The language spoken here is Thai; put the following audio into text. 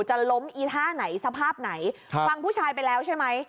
จะล้มอีท่าไหนสภาพไหนฟังผู้ชายไปแล้วใช่ไหม